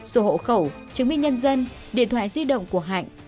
sổ hộ khẩu chứng minh nhân dân điện thoại di động của hạnh